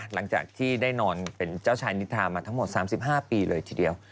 หลังจากที่ได้นอนเป็นเจ้าชายนิทามาทั้งหมด๓๕ปีเลยทีเดียว